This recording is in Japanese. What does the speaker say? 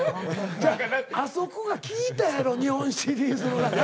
あそこがきいたやろ日本シリーズの中で。